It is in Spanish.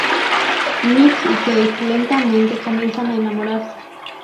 Nick y Kate lentamente comienzan a enamorarse.